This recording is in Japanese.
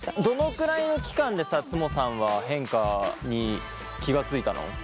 どのくらいの期間でさつもさんは変化に気が付いたの？